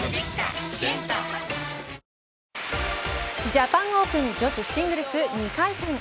ジャパンオープン女子シングルス２回戦